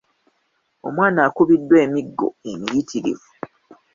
Omwana akubiddwa emiggo emiyitirivu.